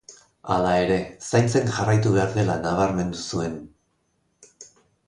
Hala ere, zaintzen jarraitu behar dela nabarmendu zuen.